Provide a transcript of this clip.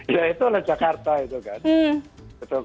ya itu lah jakarta itu kan